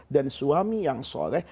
dan suami yang soleh